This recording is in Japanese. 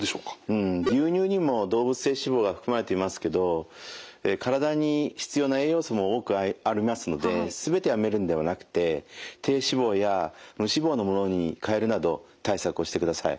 うん牛乳にも動物性脂肪が含まれていますけど体に必要な栄養素も多くありますので全てやめるのではなくて低脂肪や無脂肪のものにかえるなど対策をしてください。